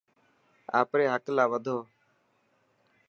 آپري حق لاءِ وڌو.